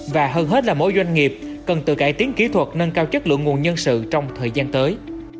và hơn hết là mỗi doanh nghiệp cần tự cải tiến kỹ thuật nâng cao chất lượng nguồn nhân sự trong thời gian tới